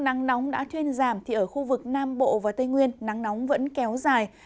nắng nóng đã thuyên giảm thì ở khu vực nam bộ và tây nguyên nắng nóng vẫn kéo dài